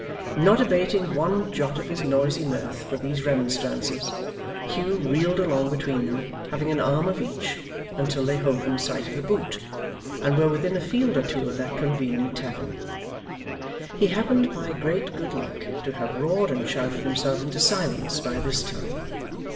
Not abating one jot of his noisy mirth for these remonstrances, Hugh reeled along between them, having an arm of each, until they hove in sight of The Boot, and were within a field or two of that convenient tavern. He happened by great good luck to have roared and shouted himself into silence by this time.